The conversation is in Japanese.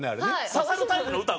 刺さるタイプの歌？